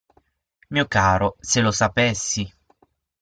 Mio caro, se lo sapessi!